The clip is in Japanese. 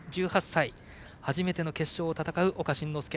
１８歳、初めての決勝を戦う岡慎之助。